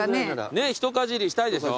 ねっひとかじりしたいでしょ？